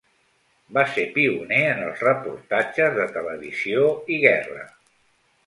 Va ser pioner en els reportatges de televisió i guerra.